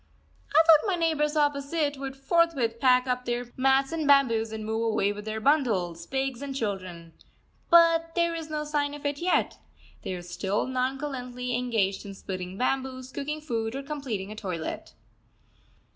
I thought my neighbours opposite would forthwith pack up their mats and bamboos and move away with their bundles, pigs, and children. But there is no sign of it yet. They are still nonchalantly engaged in splitting bamboos, cooking food, or completing a toilet.